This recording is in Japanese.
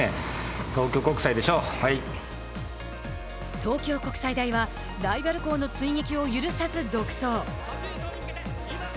東京国際大はライバル校の追撃を許さず独走。